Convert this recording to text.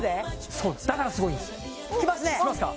そうですだからすごいんですきますねきますか？